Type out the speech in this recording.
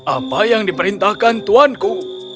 apa yang diperintahkan tuanku